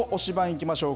いきましょう。